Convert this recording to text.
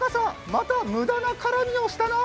また無駄な絡みをしたな！